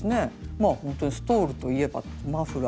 まあほんとにストールといえばマフラー。